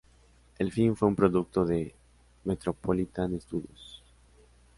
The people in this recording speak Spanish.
El film fue un producto de Metropolitan Studios.